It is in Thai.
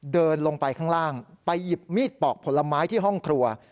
เดินลงไปข้างล่างไปหยิบมีดปอกผลไม้ที่ห้องครัว